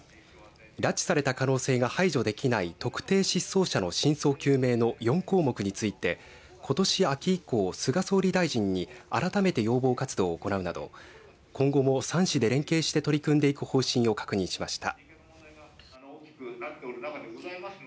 拉致された可能性が排除できない特定失踪者の真相究明の４項目についてことし秋以降、菅総理大臣に改めて要望活動を行うなど今後も３市で連携して取り組んでいく方針を確認しました。